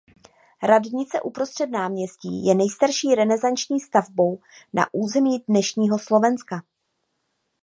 Radnice uprostřed náměstí je nejstarší renesanční stavbou na území dnešního Slovenska.